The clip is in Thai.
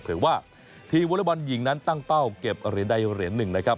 ว่าทีมวอเล็กบอลหญิงนั้นตั้งเป้าเก็บเหรียญใดเหรียญหนึ่งนะครับ